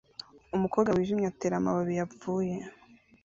Umukobwa wijimye atera amababi yapfuye